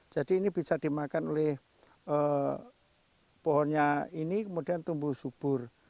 jadi ini bisa dimakan oleh pohonnya ini kemudian tumbuh subur